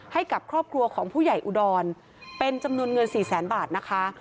ให้กับครอบครัวของผู้ใหญ่อุดรเป็นจำนวนเงินสี่แสนบาทนะคะ